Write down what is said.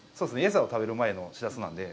餌を食べる前のしらすなので。